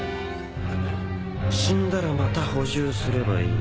死んだらまた補充すればいい